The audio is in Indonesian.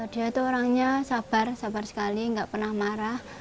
dia itu orangnya sabar sabar sekali nggak pernah marah